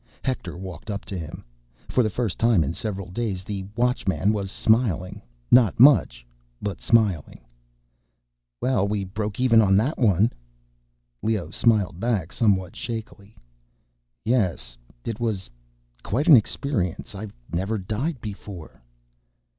Hector walked up to him. For the first time in several days, the Watchman was smiling. Not much, but smiling. "Well, we broke even on that one." Leoh smiled back, somewhat shakily. "Yes. It was ... quite an experience. I've never died before."